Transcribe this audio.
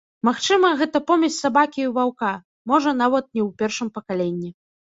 Магчыма, гэта помесь сабакі і ваўка, можа, нават не ў першым пакаленні.